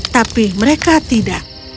tapi mereka tidak